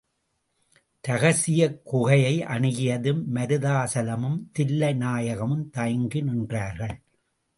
ரகசியக் குகையை அணுகியதும் மருதாசலமும் தில்லை நாயகமும் தயங்கி நின்றார்கள்.